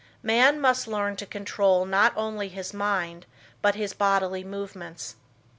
Man must learn to control not only his mind but his bodily movements.